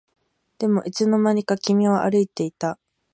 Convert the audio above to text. でもいつの間にか君は歩いていた